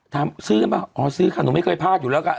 ถามซื้อใช่ป่ะอ๋อซื้อค่ะหนูไม่ค่อยพลาดอยู่แล้วกัน